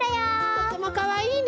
とってもかわいいね。